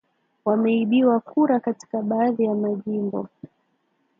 wameibiwa kura katika baadhi ya majimbo